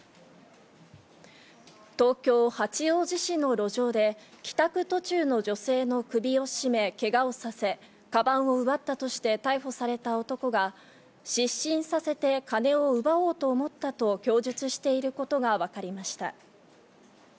東京・八王子市の路上で、帰宅途中の女性の首を絞めけがをさせ、かばんを奪ったとして逮捕された男が、失神させて金を奪おうと思ったと供述していることが分かりました。